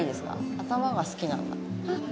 頭が好きなんだ・・あっ